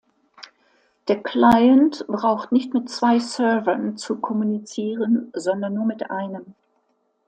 Der Client braucht nicht mit zwei Servern zu kommunizieren, sondern nur mit einem.